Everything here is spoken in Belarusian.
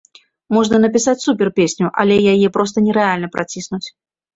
Можна напісаць супер-песню, але яе проста нерэальна праціснуць.